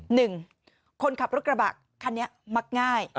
หนึ่งคนขับรถกระบะคันนี้มักง่าย